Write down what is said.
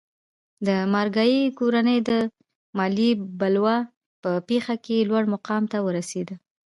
د مارګای کورنۍ د مالیې بلوا په پېښه کې لوړ مقام ته ورسېده.